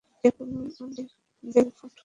Jacqueline de Bellefort খুনি নন।